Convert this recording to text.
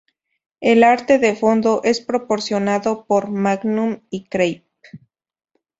El arte de fondo es proporcionado por Magnum y Cre-p.